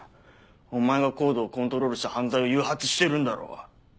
お前がＣＯＤＥをコントロールして犯罪を誘発してるんだろ？